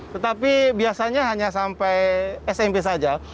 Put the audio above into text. tetapi biasanya hanya sampai smp saja